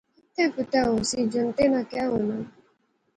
اتے کتے ہوسی، جنگتیں ناں کہہ ہونا